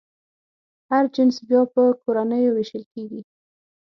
هر جنس بیا په کورنیو وېشل کېږي.